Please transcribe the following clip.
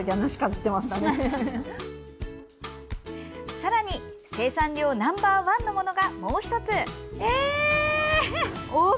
さらに、生産量ナンバー１のものが、もう１つ。